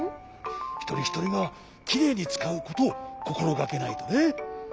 ひとりひとりがきれいにつかうことをこころがけないとね。